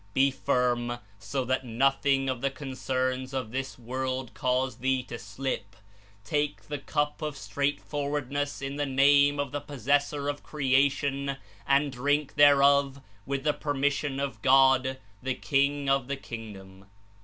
Be firm so that nothing of the concerns of this world cause thee to slip; take the cup of stralghtforvvardness in the Name of the Possessor of creation and drink there of with the permission of God, the King of the King dom."